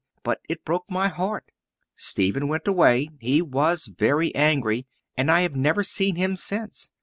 But it broke my heart. Stephen went away he was very angry and I have never seen him since.